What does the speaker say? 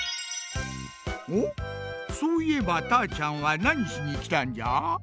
おっそういえばたーちゃんはなにしにきたんじゃ？